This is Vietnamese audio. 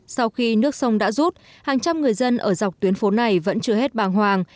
sau khi nước sông đã rút hàng trăm người dân ở dọc tuyến phố này vẫn chưa hết bàng hoàng